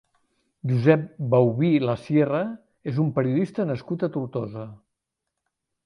Josep Baubí Lasierra és un periodista nascut a Tortosa.